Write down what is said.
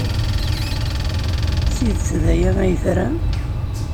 D tidet d aya ay tram?